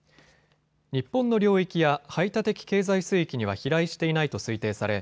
日本の領域や排他的経済水域には飛来していないと推定され